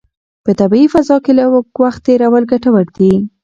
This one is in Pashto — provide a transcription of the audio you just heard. په طبیعي فضا کې لږ وخت تېرول ګټور دي.